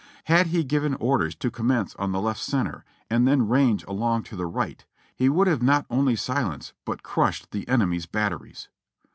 Had he given orders to commence on the left center and then range along to the right, he would have not only silenced but crushed the enemy's batteries.